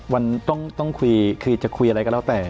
วันจะคุยอะไรก็แล้วแต่